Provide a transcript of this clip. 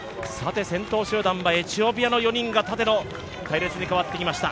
先頭集団はエチオピアの４人が縦の隊列に変わってきました。